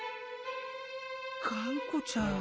がんこちゃん。